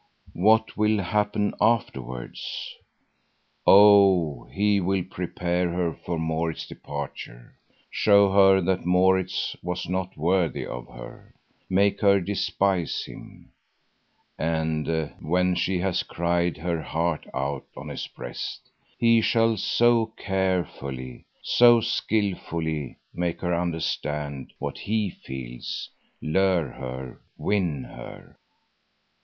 What will happen afterwards? Oh, he will prepare her for Maurits's departure; show her that Maurits was not worthy of her; make her despise him. And then when she has cried her heart out on his breast, he shall so carefully, so skilfully make her understand what he feels, lure her, win her.